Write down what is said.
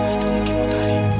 itu lagi putari